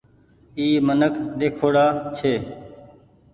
اي منک ۮيکوڙآ ڇي۔